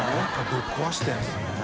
ぶっ壊してるんですね。